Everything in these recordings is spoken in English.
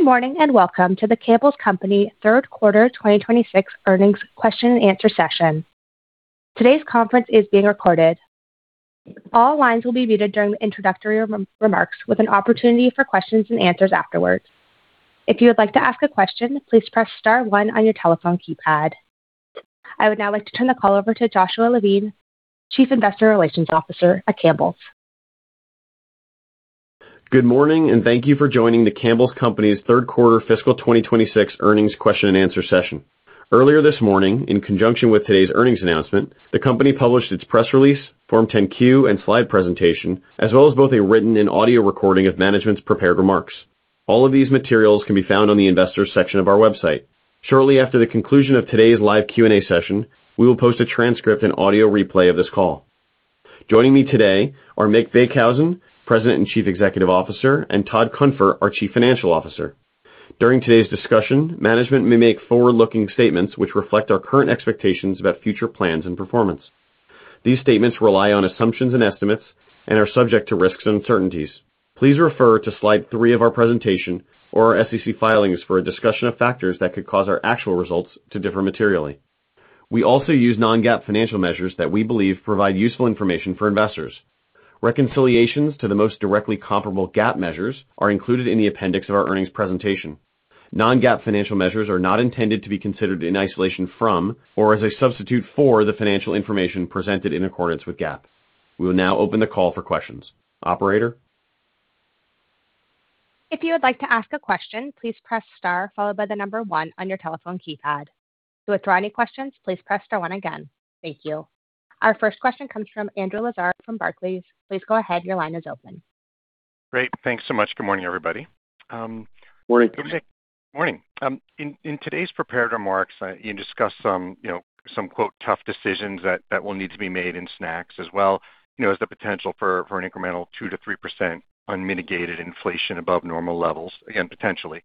Good morning, and welcome to The Campbell's Company third quarter 2026 earnings question and answer session. Today's conference is being recorded. All lines will be muted during the introductory remarks, with an opportunity for questions and answers afterwards. If you would like to ask a question, please press star one on your telephone keypad. I would now like to turn the call over to Joshua Levine, Chief Investor Relations Officer, at Campbell's. Good morning, and thank you for joining The Campbell's Company's third quarter fiscal 2026 earnings question and answer session. Earlier this morning, in conjunction with today's earnings announcement, the company published its press release, Form 10-Q and slide presentation, as well as both a written and audio recording of management's prepared remarks. All of these materials can be found on the investors section of our website. Shortly after the conclusion of today's live Q&A session, we will post a transcript and audio replay of this call. Joining me today are Mick Beekhuizen, President and Chief Executive Officer, and Todd Cunfer, our Chief Financial Officer. During today's discussion, management may make forward-looking statements which reflect our current expectations about future plans and performance. These statements rely on assumptions and estimates and are subject to risks and uncertainties. Please refer to slide three of our presentation or our SEC filings for a discussion of factors that could cause our actual results to differ materially. We also use non-GAAP financial measures that we believe provide useful information for investors. Reconciliations to the most directly comparable GAAP measures are included in the appendix of our earnings presentation. Non-GAAP financial measures are not intended to be considered in isolation from or as a substitute for the financial information presented in accordance with GAAP. We will now open the call for questions. Operator? If you would like to ask a question, please press star followed by the number one on your telephone keypad. To withdraw any questions, please press star one again. Thank you. Our first question comes from Andrew Lazar from Barclays. Please go ahead. Your line is open. Great. Thanks so much. Good morning, everybody. In today's prepared remarks, you discussed some "tough decisions" that will need to be made in snacks as well as the potential for an incremental 2%-3% unmitigated inflation above normal levels, again, potentially.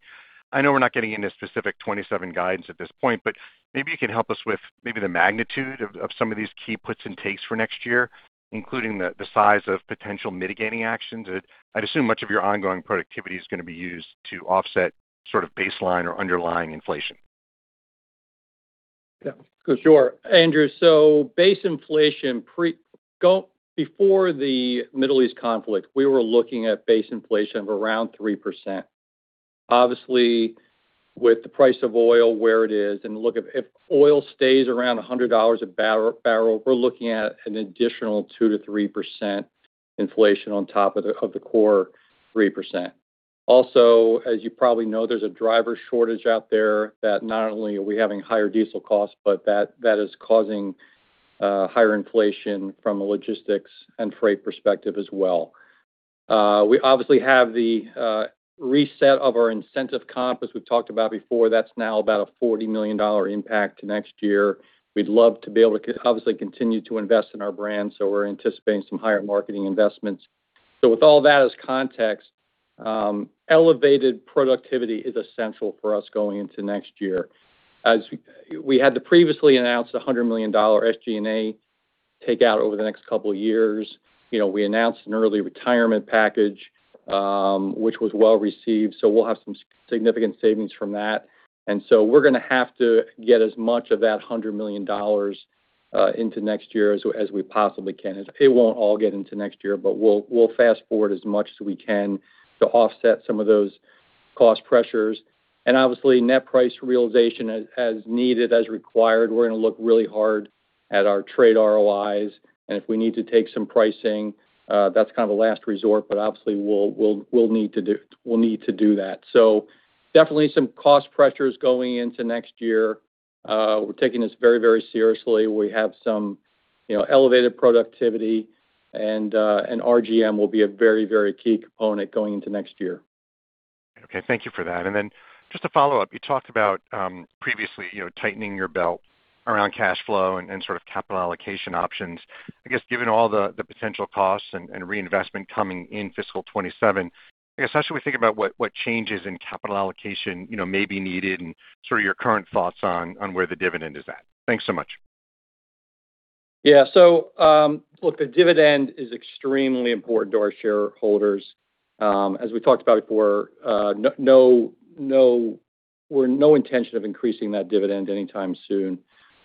I know we're not getting into specific 2027 guidance at this point, but maybe you can help us with maybe the magnitude of some of these key puts and takes for next year, including the size of potential mitigating actions. I'd assume much of your ongoing productivity is going to be used to offset sort of baseline or underlying inflation. Yeah, sure, Andrew. Before the Middle East conflict, we were looking at base inflation of around 3%. Obviously, with the price of oil where it is, and look, if oil stays around $100 a barrel, we're looking at an additional 2%-3% inflation on top of the core 3%. Also, as you probably know, there's a driver shortage out there that not only are we having higher diesel costs, but that is causing higher inflation from a logistics and freight perspective as well. We obviously have the reset of our incentive comp, as we've talked about before. That's now about a $40 million impact next year. We're anticipating some higher marketing investments. With all that as context, elevated productivity is essential for us going into next year. As we had the previously announced $100 million SG&A take out over the next couple of years. We announced an early retirement package, which was well-received, we'll have some significant savings from that. We're going to have to get as much of that $100 million into next year as we possibly can. It won't all get into next year, but we'll fast-forward as much as we can to offset some of those cost pressures. Obviously, net price realization as needed, as required. We're going to look really hard at our trade ROIs, if we need to take some pricing, that's kind of a last resort, but obviously, we'll need to do that. Definitely some cost pressures going into next year. We're taking this very seriously. We have some elevated productivity, RGM will be a very key component going into next year. Okay, thank you for that. Just a follow-up, you talked about previously tightening your belt around cash flow and sort of capital allocation options. Given all the potential costs and reinvestment coming in fiscal 2027, how should we think about what changes in capital allocation may be needed and sort of your current thoughts on where the dividend is at? Thanks so much. Look, the dividend is extremely important to our shareholders. As we talked about before, no intention of increasing that dividend anytime soon,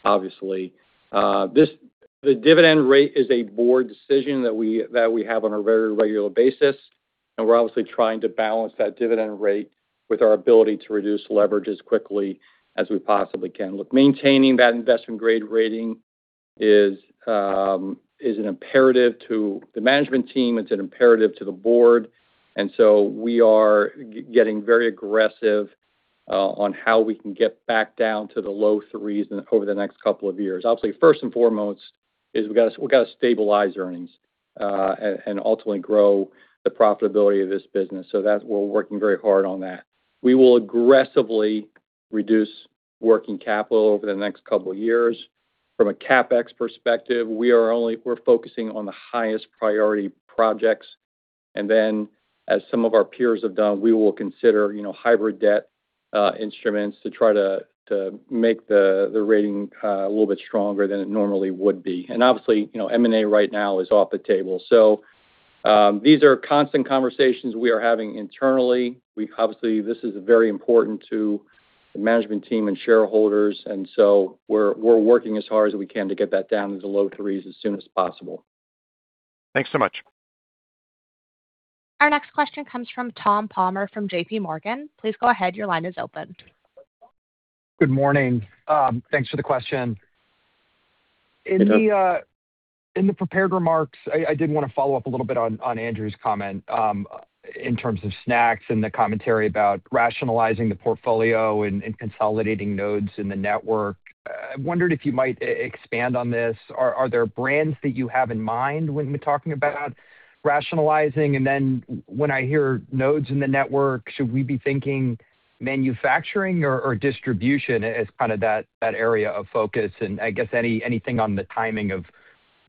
obviously. The dividend rate is a board decision that we have on a very regular basis, and we're obviously trying to balance that dividend rate with our ability to reduce leverage as quickly as we possibly can. Look, maintaining that investment grade rating is an imperative to the management team. It's an imperative to the board. We are getting very aggressive on how we can get back down to the low threes over the next couple of years. Obviously, first and foremost is we've got to stabilize earnings, and ultimately grow the profitability of this business. We're working very hard on that. We will aggressively reduce working capital over the next couple of years. From a CapEx perspective, we're focusing on the highest priority projects. As some of our peers have done, we will consider hybrid debt instruments to try to make the rating a little bit stronger than it normally would be. Obviously, M&A right now is off the table. These are constant conversations we are having internally. Obviously, this is very important to the management team and shareholders, we're working as hard as we can to get that down to the low threes as soon as possible. Thanks so much. Our next question comes from Tom Palmer, from JPMorgan. Please go ahead. Your line is open. Good morning. Thanks for the question. Good morning. In the prepared remarks, I did want to follow up a little bit on Andrew's comment, in terms of snacks and the commentary about rationalizing the portfolio and consolidating nodes in the network. I wondered if you might expand on this. Are there brands that you have in mind when we're talking about rationalizing? When I hear nodes in the network, should we be thinking manufacturing or distribution as kind of that area of focus? I guess anything on the timing of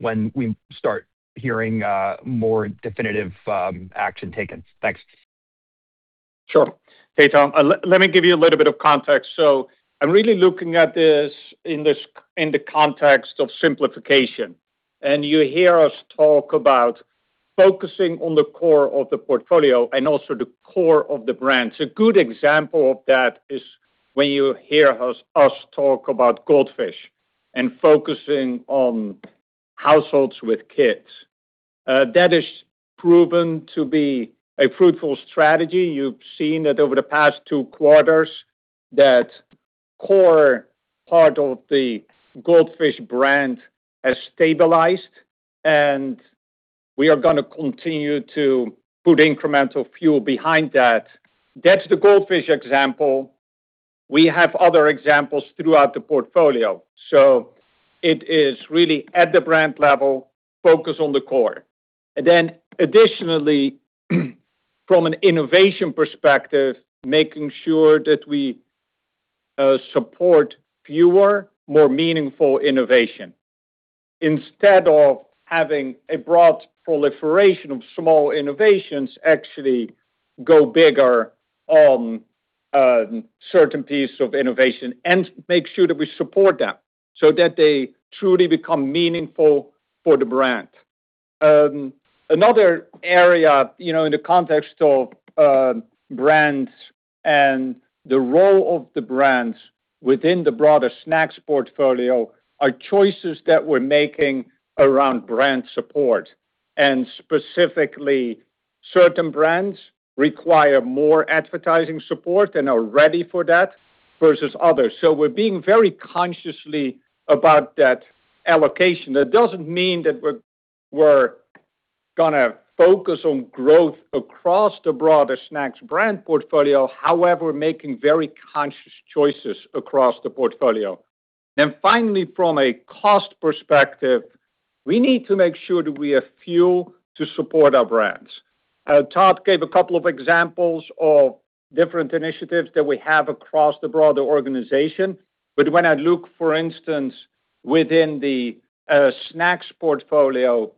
when we start hearing more definitive action taken. Thanks. Sure. Hey, Tom. Let me give you a little bit of context. I'm really looking at this in the context of simplification. You hear us talk about focusing on the core of the portfolio and also the core of the brands. A good example of that is when you hear us talk about Goldfish and focusing on households with kids. That has proven to be a fruitful strategy. You've seen that over the past two quarters, that core part of the Goldfish brand has stabilized, and we are going to continue to put incremental fuel behind that. That's the Goldfish example. We have other examples throughout the portfolio. It is really at the brand level, focus on the core. Additionally, from an innovation perspective, making sure that we support fewer, more meaningful innovation. Instead of having a broad proliferation of small innovations, actually go bigger on certain pieces of innovation and make sure that we support them so that they truly become meaningful for the brand. Another area in the context of brands and the role of the brands within the broader snacks portfolio are choices that we're making around brand support. Specifically, certain brands require more advertising support and are ready for that versus others. We're being very conscious about that allocation. That doesn't mean that we're going to focus on growth across the broader snacks brand portfolio, however, making very conscious choices across the portfolio. Finally, from a cost perspective, we need to make sure that we have fuel to support our brands. Todd gave a couple of examples of different initiatives that we have across the broader organization. When I look, for instance, within the snacks portfolio,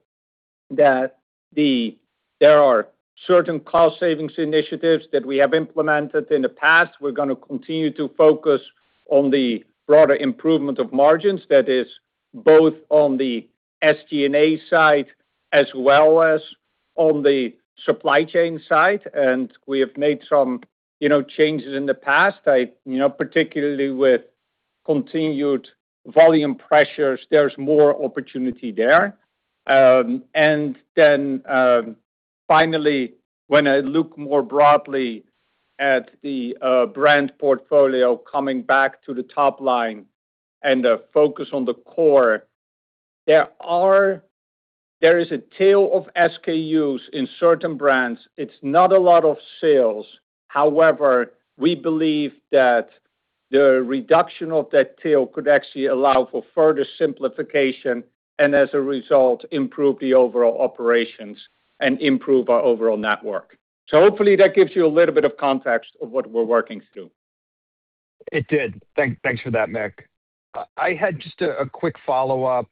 that there are certain cost savings initiatives that we have implemented in the past. We're going to continue to focus on the broader improvement of margins, that is both on the SG&A side as well as on the supply chain side. We have made some changes in the past. Particularly with continued volume pressures, there's more opportunity there. Finally, when I look more broadly at the brand portfolio coming back to the top line and the focus on the core, there is a tail of SKUs in certain brands. It's not a lot of sales. However, we believe that the reduction of that tail could actually allow for further simplification, and as a result, improve the overall operations and improve our overall network. Hopefully that gives you a little bit of context of what we're working through. It did. Thanks for that, Mick. I had just a quick follow-up.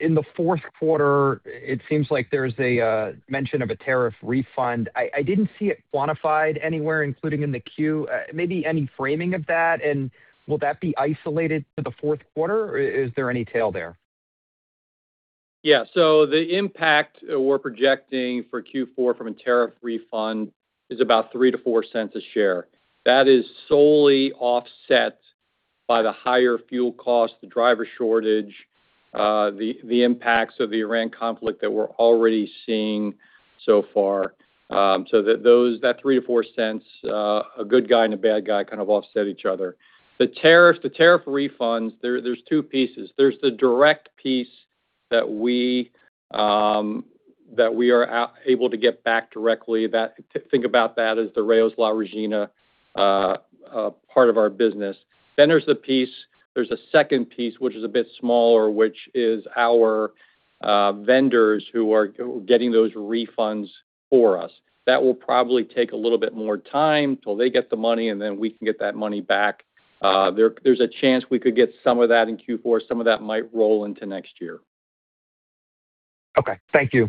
In the fourth quarter, it seems like there's a mention of a tariff refund. I didn't see it quantified anywhere, including in the Q. Maybe any framing of that, and will that be isolated to the fourth quarter, or is there any tail there? The impact we're projecting for Q4 from a tariff refund is about $0.03-$0.04 a share. That is solely offset by the higher fuel cost, the driver shortage, the impacts of the Iran conflict that we're already seeing so far. That $0.03-$0.04, a good guy and a bad guy kind of offset each other. The tariff refunds, there's two pieces. There's the direct piece that we are able to get back directly. Think about that as the Rao's La Regina part of our business. Then there's a second piece which is a bit smaller, which is our vendors who are getting those refunds for us. That will probably take a little bit more time till they get the money, and then we can get that money back. There's a chance we could get some of that in Q4, some of that might roll into next year. Okay. Thank you.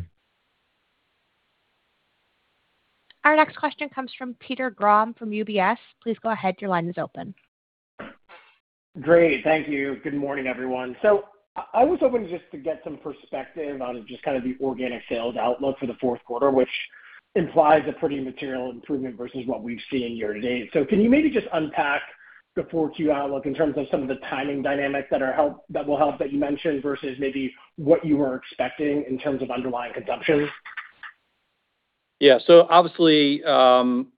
Our next question comes from Peter Grom from UBS. Please go ahead, your line is open. Great. Thank you. Good morning, everyone. I was hoping just to get some perspective on just kind of the organic sales outlook for the fourth quarter, which implies a pretty material improvement versus what we've seen year to date. Can you maybe just unpack the 4Q outlook in terms of some of the timing dynamics that will help that you mentioned, versus maybe what you were expecting in terms of underlying consumption? Yeah. Obviously, some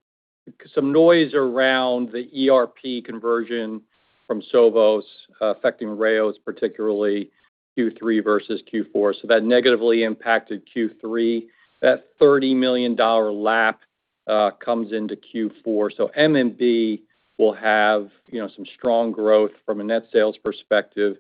noise around the ERP conversion from Sovos affecting Rao's, particularly Q3 versus Q4. That negatively impacted Q3. That $30 million lap comes into Q4. MMB will have some strong growth from a net sales perspective,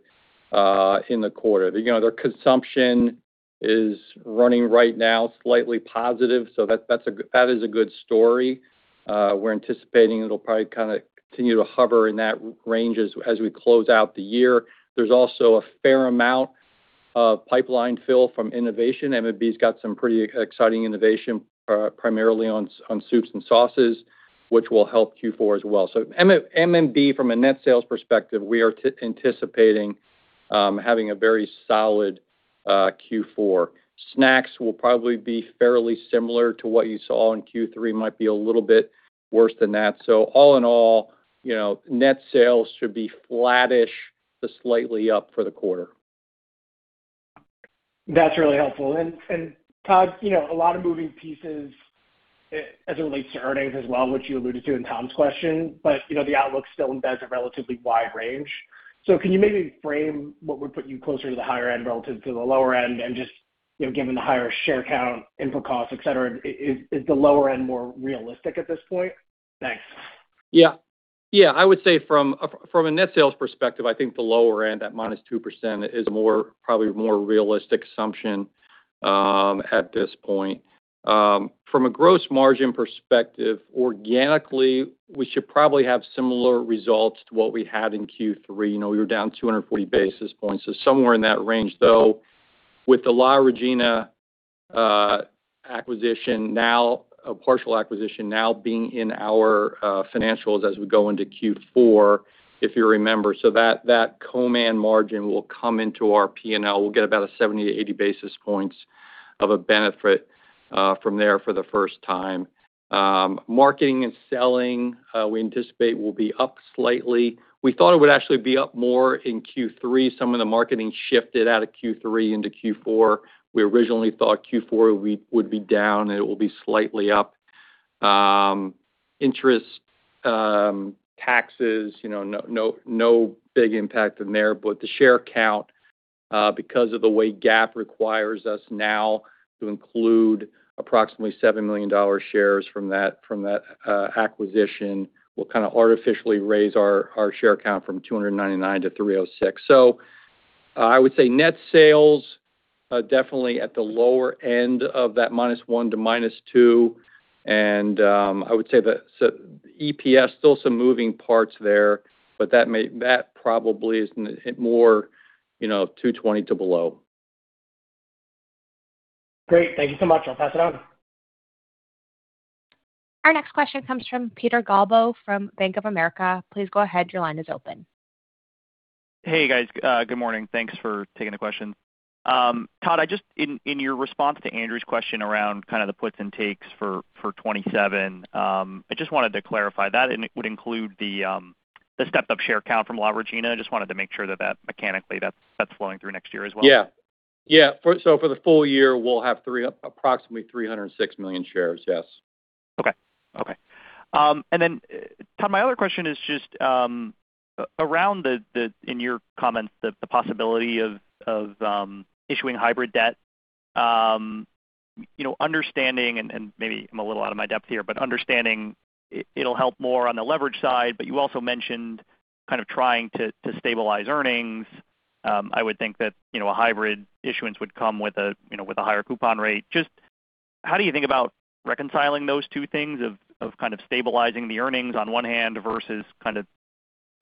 in the quarter. Their consumption is running right now slightly positive, so that is a good story. We're anticipating it'll probably continue to hover in that range as we close out the year. There's also a fair amount of pipeline fill from innovation. MMB's got some pretty exciting innovation, primarily on soups and sauces, which will help Q4 as well. MMB, from a net sales perspective, we are anticipating having a very solid Q4. Snacks will probably be fairly similar to what you saw in Q3, might be a little bit worse than that. All in all, net sales should be flattish to slightly up for the quarter. That's really helpful. Todd, a lot of moving pieces as it relates to earnings as well, which you alluded to in Tom's question, but the outlook still embeds a relatively wide range. Can you maybe frame what would put you closer to the higher end relative to the lower end? Just, given the higher share count, interest costs, et cetera, is the lower end more realistic at this point? Thanks. Yeah. I would say from a net sales perspective, I think the lower end, that -2%, is probably a more realistic assumption at this point. From a gross margin perspective, organically, we should probably have similar results to what we had in Q3. We were down 240 basis points, so somewhere in that range. Though, with the La Regina partial acquisition now being in our financials as we go into Q4, if you remember. That co-man margin will come into our P&L. We'll get about a 70-80 basis points of a benefit from there for the first time. Marketing and selling, we anticipate will be up slightly. We thought it would actually be up more in Q3. Some of the marketing shifted out of Q3 into Q4. We originally thought Q4 would be down, and it will be slightly up. Interest, taxes, no big impact in there. The share count, because of the way GAAP requires us now to include approximately $7 million shares from that acquisition, will kind of artificially raise our share count from 299-306. I would say net sales, definitely at the lower end of that -1% to -2%. I would say that EPS, still some moving parts there, but that probably isn't it more, $2.20 to below. Great. Thank you so much. I'll pass it on. Our next question comes from Peter Galbo from Bank of America. Please go ahead, your line is open. Hey, guys. Good morning. Thanks for taking the question. Todd, in your response to Andrew's question around kind of the puts and takes for 2027, I just wanted to clarify. That would include the stepped-up share count from La Regina? I just wanted to make sure that mechanically that's flowing through next year as well. For the full year, we'll have approximately 306 million shares. Yes. Okay. Todd, my other question is just around in your comments, the possibility of issuing hybrid debt. Maybe I'm a little out of my depth here, understanding it'll help more on the leverage side, you also mentioned kind of trying to stabilize earnings. I would think that a hybrid issuance would come with a higher coupon rate. Just how do you think about reconciling those two things, of kind of stabilizing the earnings on one hand versus the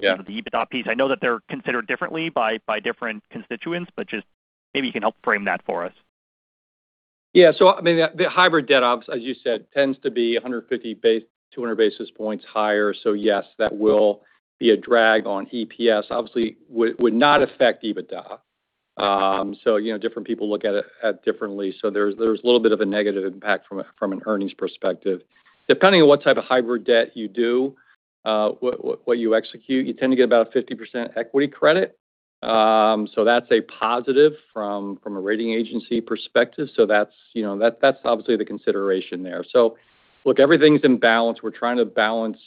EBITDA piece? I know that they're considered differently by different constituents, just maybe you can help frame that for us. The hybrid debt, as you said, tends to be 150, 200 basis points higher. Yes, that will be a drag on EPS. Obviously, would not affect EBITDA. Different people look at it differently. There's a little bit of a negative impact from an earnings perspective. Depending on what type of hybrid debt you do, what you execute, you tend to get about a 50% equity credit. That's a positive from a rating agency perspective. That's obviously the consideration there. Look, everything's in balance. We're trying to balance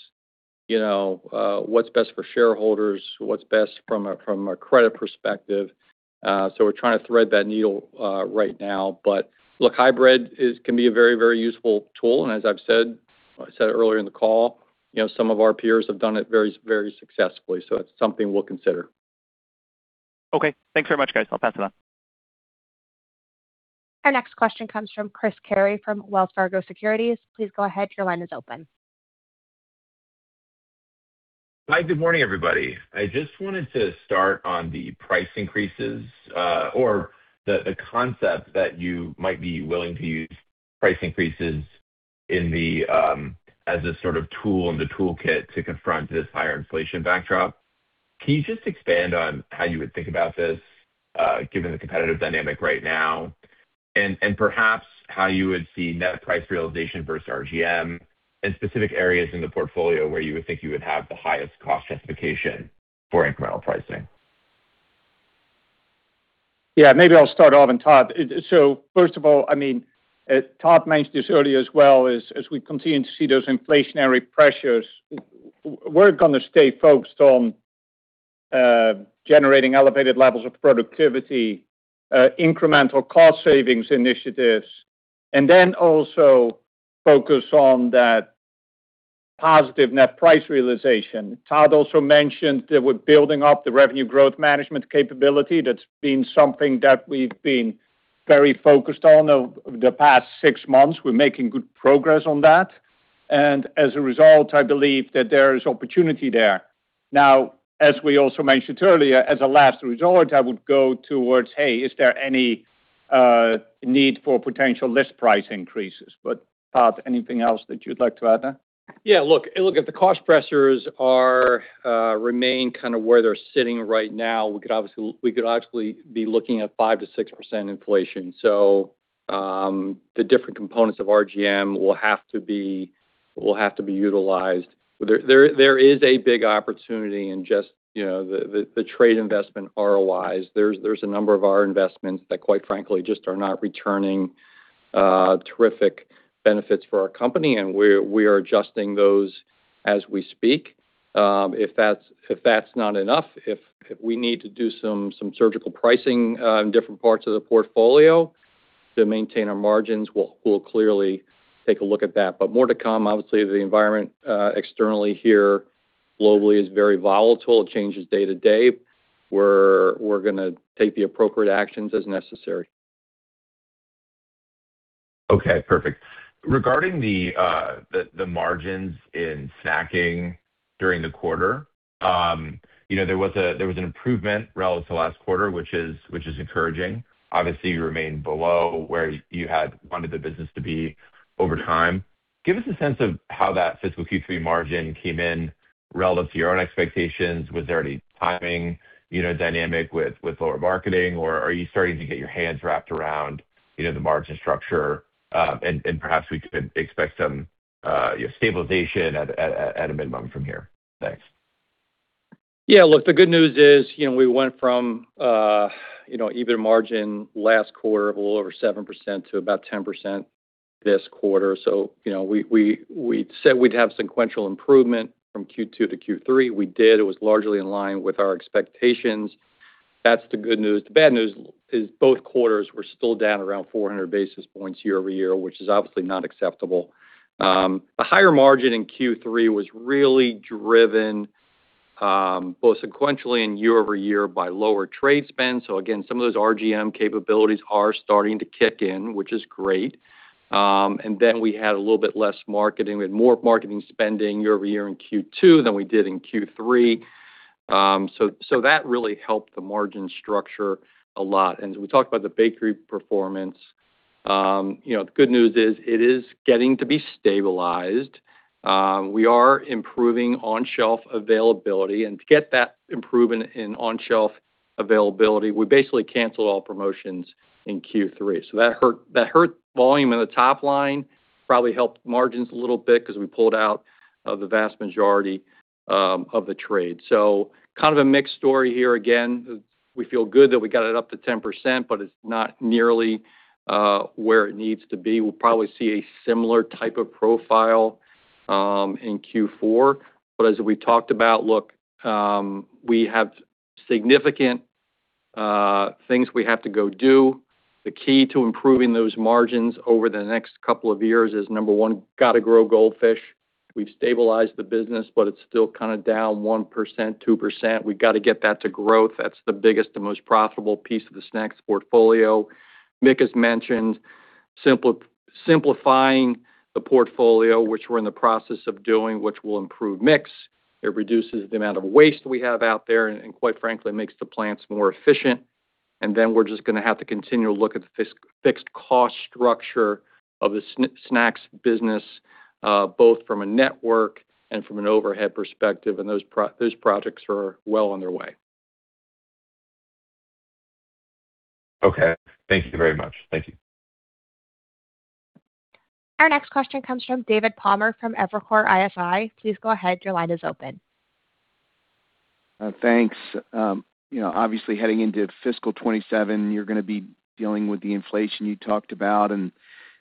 what's best for shareholders, what's best from a credit perspective. We're trying to thread that needle right now. Look, hybrid can be a very useful tool. As I said earlier in the call, some of our peers have done it very successfully. It's something we'll consider. Okay. Thanks very much, guys. I'll pass it on. Our next question comes from Chris Carey from Wells Fargo Securities. Please go ahead, your line is open. Hi, good morning, everybody. I just wanted to start on the price increases, or the concept that you might be willing to use price increases as a sort of tool in the toolkit to confront this higher inflation backdrop. Can you just expand on how you would think about this, given the competitive dynamic right now, and perhaps how you would see net price realization versus RGM and specific areas in the portfolio where you would think you would have the highest cost justification for incremental pricing? Yeah. Maybe I'll start off, Todd. First of all, Todd mentioned this earlier as well, as we continue to see those inflationary pressures, we're going to stay focused on generating elevated levels of productivity, incremental cost savings initiatives, also focus on that positive net price realization. Todd also mentioned that we're building up the revenue growth management capability. That's been something that we've been very focused on over the past six months. We're making good progress on that. As a result, I believe that there is opportunity there. Now, as we also mentioned earlier, as a last resort, I would go towards, hey, is there any need for potential list price increases? Todd, anything else that you'd like to add there? Yeah. Look, if the cost pressures remain kind of where they're sitting right now, we could obviously be looking at 5%-6% inflation. The different components of RGM will have to be utilized. There is a big opportunity in just the trade investment ROIs. There's a number of our investments that quite frankly, just are not returning terrific benefits for our company, and we are adjusting those as we speak. If that's not enough, if we need to do some surgical pricing in different parts of the portfolio to maintain our margins, we'll clearly take a look at that. More to come, obviously, the environment externally here globally is very volatile. It changes day to day. We're going to take the appropriate actions as necessary. Okay, perfect. Regarding the margins in snacking during the quarter, there was an improvement relative to last quarter, which is encouraging. Obviously, you remain below where you had wanted the business to be over time. Give us a sense of how that fiscal Q3 margin came in relative to your own expectations. Was there any timing dynamic with lower marketing, or are you starting to get your hands wrapped around the margin structure? Perhaps we could expect some stabilization at a minimum from here. Thanks. Look, the good news is, we went from EBITDA margin last quarter, a little over 7% to about 10% this quarter. We said we'd have sequential improvement from Q2 to Q3. We did. It was largely in line with our expectations. That's the good news. The bad news is both quarters were still down around 400 basis points year-over-year, which is obviously not acceptable. The higher margin in Q3 was really driven, both sequentially and year-over-year, by lower trade spend. Again, some of those RGM capabilities are starting to kick in, which is great. We had a little bit less marketing. We had more marketing spending year-over-year in Q2 than we did in Q3. That really helped the margin structure a lot. As we talked about the bakery performance, the good news is it is getting to be stabilized. We are improving on-shelf availability, and to get that improvement in on-shelf availability, we basically canceled all promotions in Q3. That hurt volume in the top line, probably helped margins a little bit because we pulled out of the vast majority of the trade. Kind of a mixed story here. Again, we feel good that we got it up to 10%, but it's not nearly where it needs to be. We'll probably see a similar type of profile in Q4. As we talked about, look, we have significant things we have to go do. The key to improving those margins over the next couple of years is, number one, got to grow Goldfish. We've stabilized the business, but it's still kind of down 1%, 2%. We've got to get that to growth. That's the biggest and most profitable piece of the snacks portfolio. Mick has mentioned simplifying the portfolio, which we're in the process of doing, which will improve mix. It reduces the amount of waste we have out there, and quite frankly, makes the plants more efficient. We're just going to have to continue to look at the fixed cost structure of the snacks business, both from a network and from an overhead perspective, and those projects are well on their way. Thank you very much. Thank you. Our next question comes from David Palmer from Evercore ISI. Please go ahead. Your line is open. Thanks. Obviously, heading into fiscal 2027, you're going to be dealing with the inflation you talked about and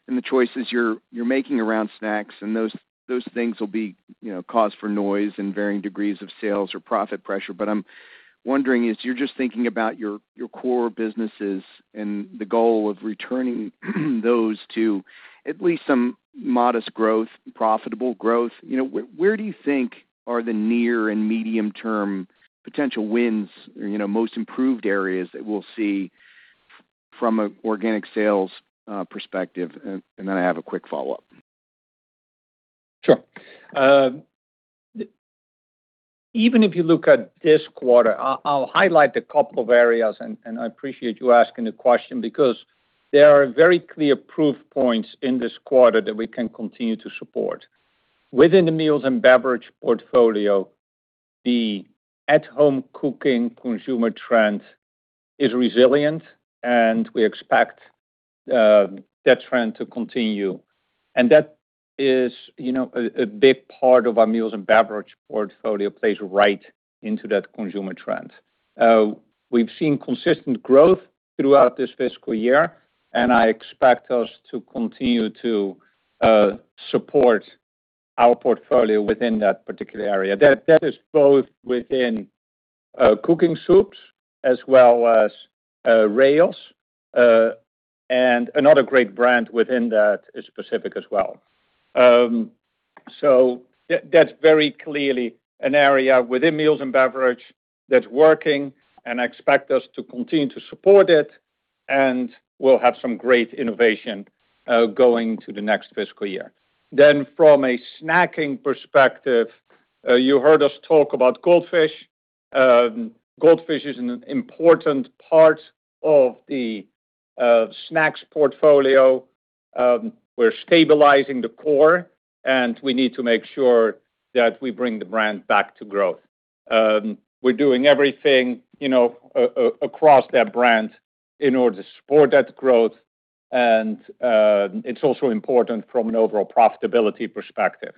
the choices you're making around snacks, and those things will be cause for noise and varying degrees of sales or profit pressure. I'm wondering, you're just thinking about your core businesses and the goal of returning those to at least some modest growth, profitable growth. Where do you think are the near and medium-term potential wins, most improved areas that we'll see from an organic sales perspective, and then I have a quick follow-up. Sure. Even if you look at this quarter, I'll highlight a couple of areas, and I appreciate you asking the question because there are very clear proof points in this quarter that we can continue to support. Within the meals and beverage portfolio, the at-home cooking consumer trend is resilient, and we expect that trend to continue. That is a big part of our meals and beverage portfolio plays right into that consumer trend. We've seen consistent growth throughout this fiscal year, I expect us to continue to support our portfolio within that particular area. That is both within cooking soups as well as Rao's, and another great brand within that is Pacific as well. That's very clearly an area within meals and beverage that's working, I expect us to continue to support it, and we'll have some great innovation going to the next fiscal year. From a snacking perspective, you heard us talk about Goldfish. Goldfish is an important part of the snacks portfolio. We're stabilizing the core, we need to make sure that we bring the brand back to growth. We're doing everything across that brand in order to support that growth, it's also important from an overall profitability perspective.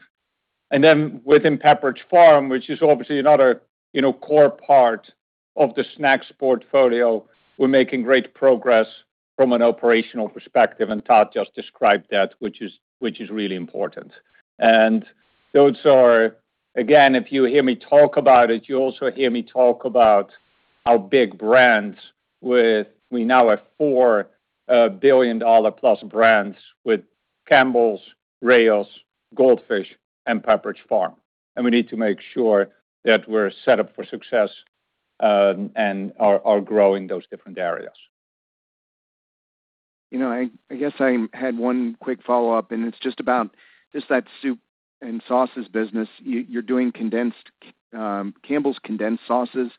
Within Pepperidge Farm, which is obviously another core part of the snacks portfolio, we're making great progress from an operational perspective, Todd just described that, which is really important. Those are, again, if you hear me talk about it, you also hear me talk about our big brands with, we now have $4 billion+ brands with Campbell's, Rao's, Goldfish, and Pepperidge Farm. We need to make sure that we're set up for success and are growing those different areas. I guess I had one quick follow-up. It's just about just that soup and sauces business. You're doing condensed, Campbell's condensed sauces.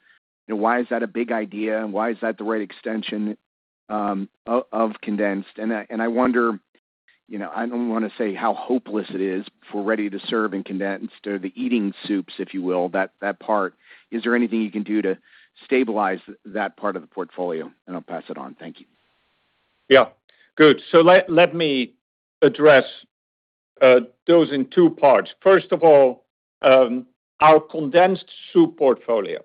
Why is that a big idea, and why is that the right extension of condensed? I wonder, I don't want to say how hopeless it is for ready-to-serve and condensed or the eating soups, if you will, that part. Is there anything you can do to stabilize that part of the portfolio? I'll pass it on. Thank you. Yeah. Good. Let me address those in two parts. First of all, our condensed soup portfolio,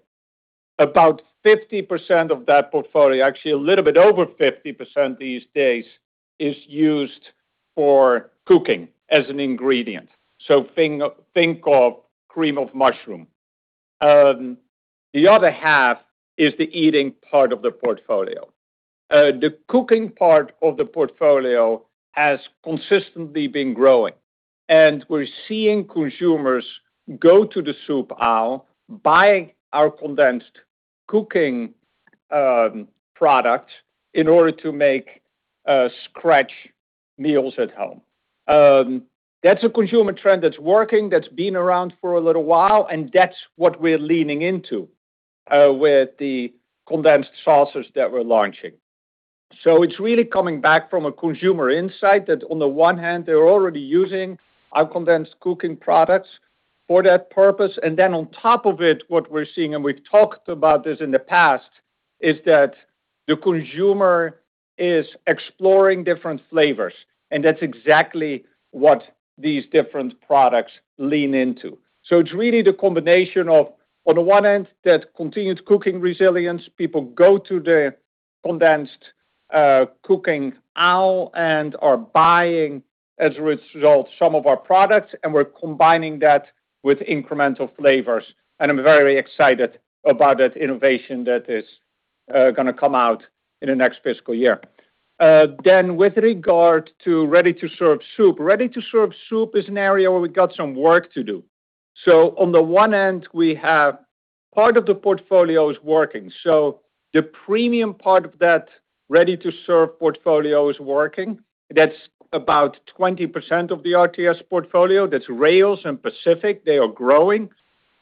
about 50% of that portfolio, actually a little bit over 50% these days, is used for cooking as an ingredient. Think of cream of mushroom. The other half is the eating part of the portfolio. The cooking part of the portfolio has consistently been growing. We're seeing consumers go to the soup aisle, buy our condensed cooking product in order to make scratch meals at home. That's a consumer trend that's working, that's been around for a little while. That's what we're leaning into with the condensed sauces that we're launching. It's really coming back from a consumer insight that on the one hand, they're already using our condensed cooking products for that purpose. Then on top of it, what we're seeing, we've talked about this in the past, is that the consumer is exploring different flavors. That's exactly what these different products lean into. It's really the combination of, on the one hand, that continued cooking resilience. People go to the condensed cooking aisle and are buying, as a result, some of our products. We're combining that with incremental flavors. I'm very excited about that innovation that is going to come out in the next fiscal year. With regard to ready-to-serve soup, ready-to-serve soup is an area where we got some work to do. On the one hand, we have part of the portfolio is working. The premium part of that ready-to-serve portfolio is working. That's about 20% of the RTS portfolio. That's Rao's and Pacific. They are growing.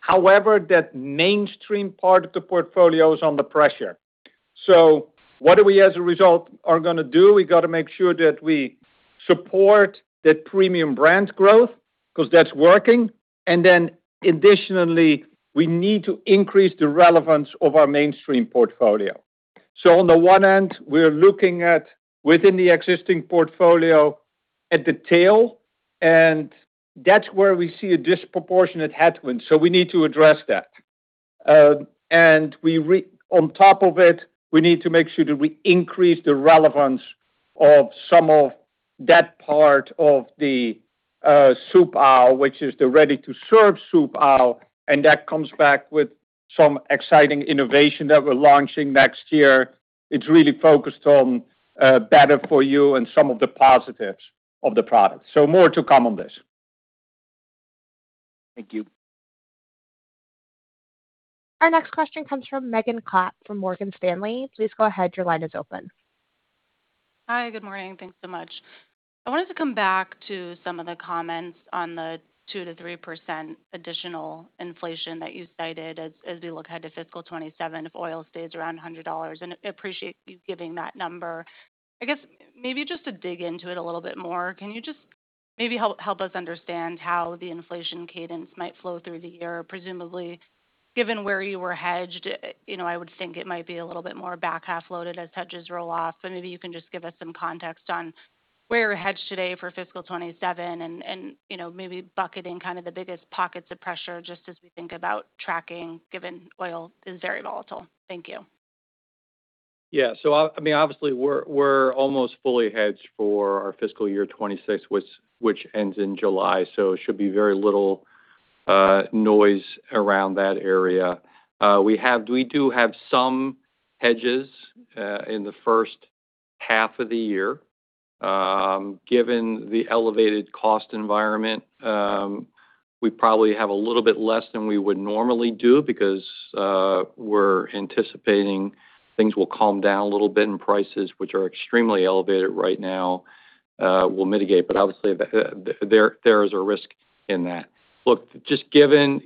However, that mainstream part of the portfolio is under pressure. What do we, as a result, are going to do? We got to make sure that we support that premium brand growth because that's working. Then additionally, we need to increase the relevance of our mainstream portfolio. On the one hand, we're looking at within the existing portfolio at the tail. That's where we see a disproportionate headwind. We need to address that. On top of it, we need to make sure that we increase the relevance of some of that part of the soup aisle, which is the ready-to-serve soup aisle. That comes back with some exciting innovation that we're launching next year. It's really focused on better for you and some of the positives of the product. More to come on this. Thank you. Our next question comes from Megan Clapp from Morgan Stanley. Please go ahead. Your line is open. Hi. Good morning. Thanks so much. I wanted to come back to some of the comments on the 2%-3% additional inflation that you cited as we look ahead to fiscal 2027 if oil stays around $100. I appreciate you giving that number. I guess, maybe just to dig into it a little bit more, can you just maybe help us understand how the inflation cadence might flow through the year? Presumably, given where you were hedged, I would think it might be a little bit more back-half loaded as hedges roll off. Maybe you can just give us some context on where you're hedged today for fiscal 2027 and maybe bucketing kind of the biggest pockets of pressure, just as we think about tracking, given oil is very volatile. Thank you. We're almost fully hedged for our fiscal year 2026, which ends in July, so there should be very little noise around that area. We do have some hedges in the first half of the year. Given the elevated cost environment, we probably have a little bit less than we would normally do because we're anticipating things will calm down a little bit, and prices, which are extremely elevated right now, will mitigate. Obviously, there is a risk in that. Look, just given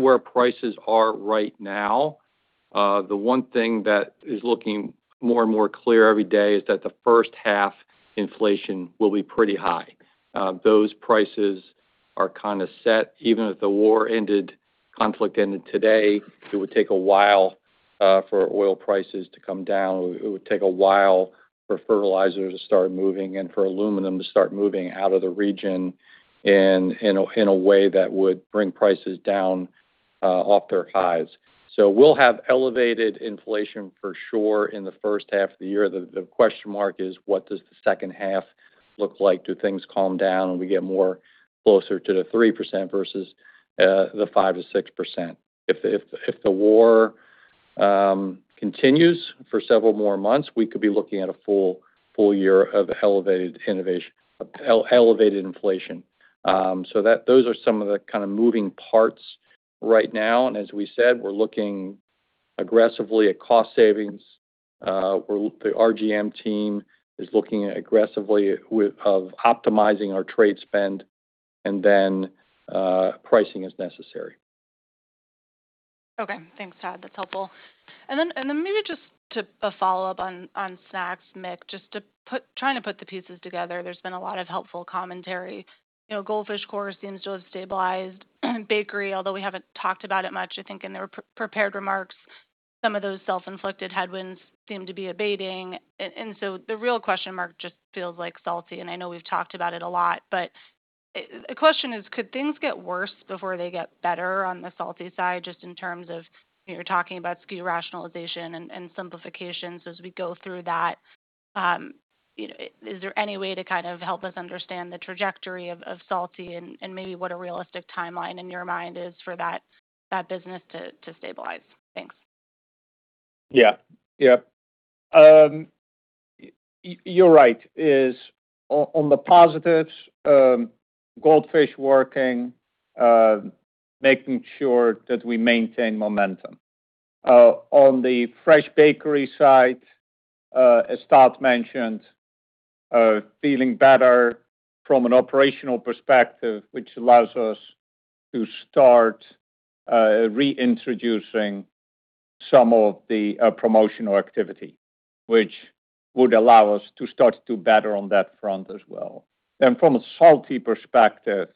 where prices are right now, the one thing that is looking more and more clear every day is that the first half inflation will be pretty high. Those prices are kind of set. Even if the war ended, conflict ended today, it would take a while for oil prices to come down. It would take a while for fertilizer to start moving and for aluminum to start moving out of the region in a way that would bring prices down off their highs. We'll have elevated inflation for sure in the first half of the year. The question mark is, what does the second half look like? Do things calm down and we get more closer to the 3% versus the 5%-6%? If the war continues for several more months, we could be looking at a full year of elevated inflation. Those are some of the kind of moving parts right now. As we said, we're looking aggressively at cost savings. The RGM team is looking aggressively of optimizing our trade spend pricing as necessary. Okay. Thanks, Todd. That's helpful. Maybe just a follow-up on snacks, Mick, just trying to put the pieces together. There's been a lot of helpful commentary. Goldfish core seems to have stabilized bakery, although we haven't talked about it much, I think, in the prepared remarks. Some of those self-inflicted headwinds seem to be abating. The real question mark just feels like salty, I know we've talked about it a lot. The question is: could things get worse before they get better on the salty side, just in terms of, you're talking about SKU rationalization and simplifications as we go through that. Is there any way to kind of help us understand the trajectory of salty and maybe what a realistic timeline in your mind is for that business to stabilize? Thanks. You're right. On the positives, Goldfish working, making sure that we maintain momentum. On the fresh bakery side, as Todd mentioned, feeling better from an operational perspective, which allows us to start reintroducing some of the promotional activity, which would allow us to start to do better on that front as well. From a salty perspective,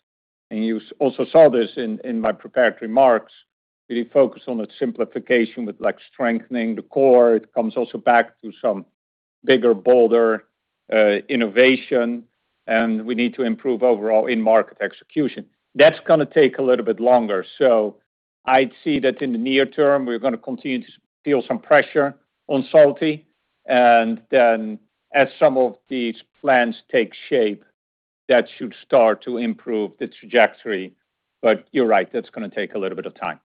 you also saw this in my prepared remarks, we focus on the simplification with strengthening the core. It comes also back to some bigger, bolder innovation, we need to improve overall in-market execution. That's going to take a little bit longer. I'd say that in the near term, we're going to continue to feel some pressure on salty. As some of these plans take shape, that should start to improve the trajectory. You're right, that's going to take a little bit of time.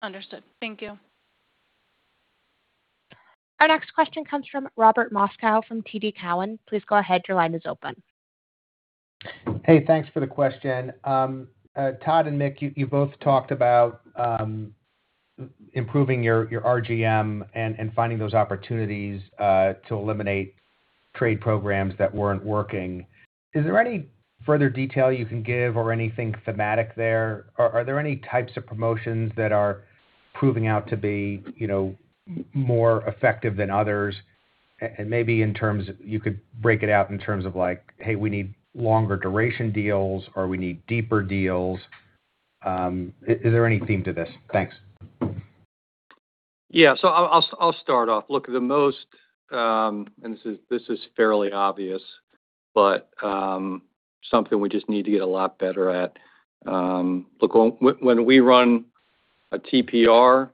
Understood. Thank you. Our next question comes from Robert Moskow from TD Cowen. Please go ahead. Your line is open. Hey, thanks for the question. Todd and Mick, you both talked about improving your RGM and finding those opportunities to eliminate trade programs that weren't working. Is there any further detail you can give or anything thematic there? Are there any types of promotions that are proving out to be more effective than others? Maybe you could break it out in terms of like, hey, we need longer duration deals or we need deeper deals. Is there any theme to this? Thanks. Yeah. I'll start off. Look, the most, and this is fairly obvious, but something we just need to get a lot better at. Look, when we run a TPR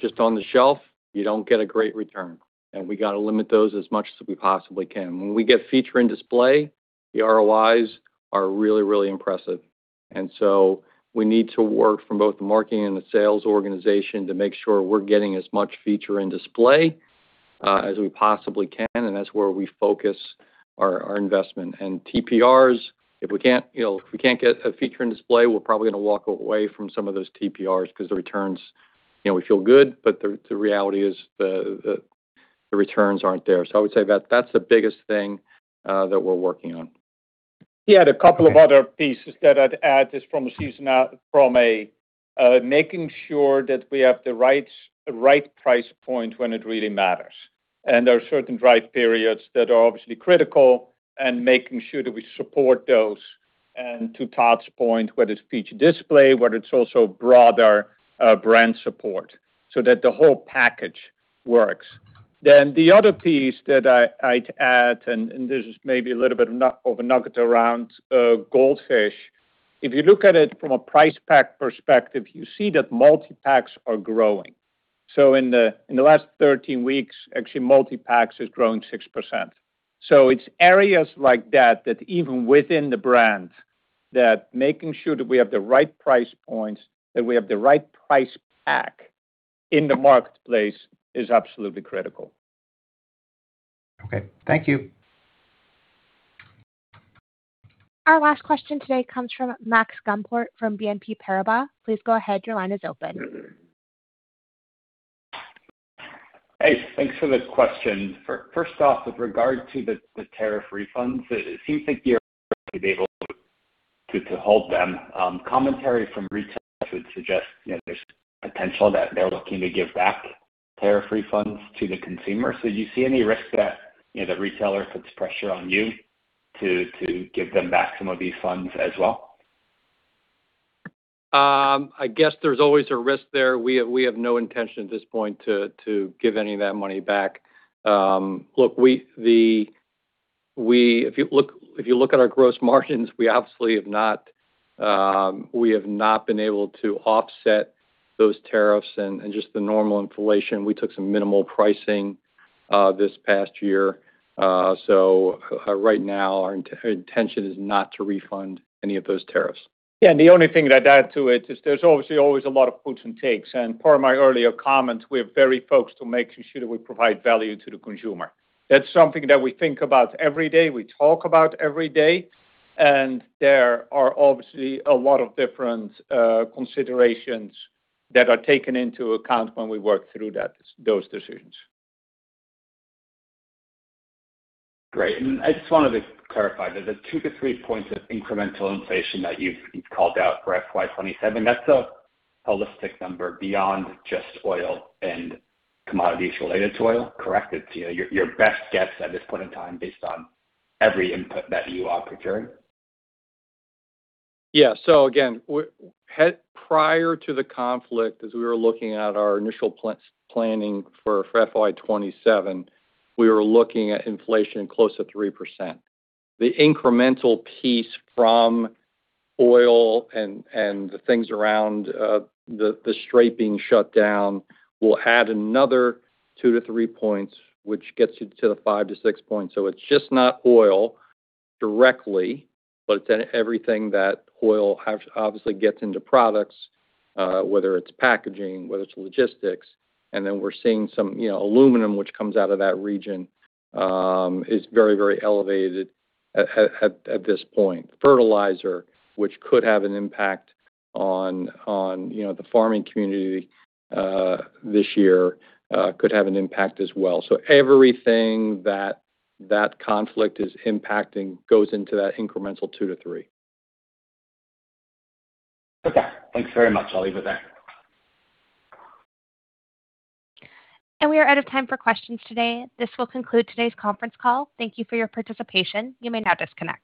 just on the shelf, you don't get a great return, and we got to limit those as much as we possibly can. When we get feature and display, the ROIs are really, really impressive. We need to work from both the marketing and the sales organization to make sure we're getting as much feature and display as we possibly can, and that's where we focus our investment and TPRs, if we can't get a feature in display, we're probably going to walk away from some of those TPRs because the returns, we feel good, but the reality is the returns aren't there. I would say that's the biggest thing that we're working on. The couple of other pieces that I'd add is from a making sure that we have the right price point when it really matters. There are certain drive periods that are obviously critical and making sure that we support those. To Todd's point, whether it's feature display, whether it's also broader brand support, so that the whole package works. The other piece that I'd add, and this is maybe a little bit of a nugget around Goldfish. If you look at it from a price pack perspective, you see that multi-packs are growing. In the last 13 weeks, actually multi-packs has grown 6%. It's areas like that even within the brand, that making sure that we have the right price points, that we have the right price pack in the marketplace is absolutely critical. Okay. Thank you. Our last question today comes from Max Gumport from BNP Paribas. Please go ahead. Your line is open. Thanks for the question. First off, with regard to the tariff refunds, it seems like you're able to hold them. Commentary from retailers would suggest there's potential that they're looking to give back tariff refunds to the consumer. Do you see any risk that the retailer puts pressure on you to give them back some of these funds as well? I guess there's always a risk there. We have no intention at this point to give any of that money back. Look, if you look at our gross margins, we obviously have not been able to offset those tariffs and just the normal inflation. We took some minimal pricing this past year. Right now, our intention is not to refund any of those tariffs. The only thing that I'd add to it is there's obviously always a lot of puts and takes, and per my earlier comments, we are very focused to make sure that we provide value to the consumer. That's something that we think about every day, we talk about every day, and there are obviously a lot of different considerations that are taken into account when we work through those decisions. Great. I just wanted to clarify the 2-3 points of incremental inflation that you've called out for FY 2027, that's a holistic number beyond just oil and commodities related to oil, correct? It's your best guess at this point in time based on every input that you are procuring? Again, prior to the conflict, as we were looking at our initial planning for FY 2027, we were looking at inflation close to 3%. The incremental piece from oil and the things around the strait being shut down will add another 2 to 3 points, which gets you to the 5 to 6 points. It's just not oil directly, but everything that oil obviously gets into products, whether it's packaging, whether it's logistics, and then we're seeing some aluminum, which comes out of that region, is very elevated at this point. Fertilizer, which could have an impact on the farming community this year, could have an impact as well. Everything that conflict is impacting goes into that incremental 2 to 3 points. Okay. Thanks very much. I'll leave it there. We are out of time for questions today. This will conclude today's conference call. Thank you for your participation. You may now disconnect.